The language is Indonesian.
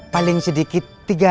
paling sedikit tiga ratus